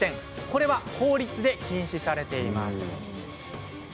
これは法律で禁止されています。